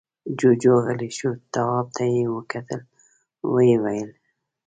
جُوجُو غلی شو، تواب ته يې وکتل، ويې ويل: